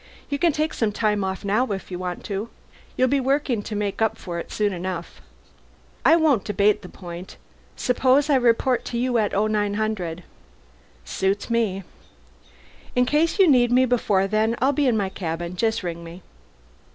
"You can take some time off now, if you want to. You'll be working to make up for it soon enough." "I won't debate the point. Suppose I report to you at 0900?" "Suits me." "In case you need me before then, I'll be in my cabin. Just ring me."